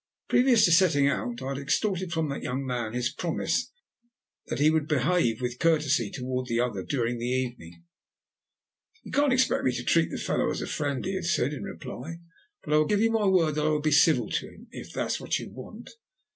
Previous to setting out, I had extorted from that young man his promise that he would behave with courtesy towards the other during the evening. "You can't expect me to treat the fellow as a friend," he had said in reply, "but I will give you my word that I'll be civil to him if that's what you want."